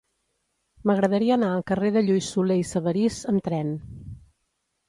M'agradaria anar al carrer de Lluís Solé i Sabarís amb tren.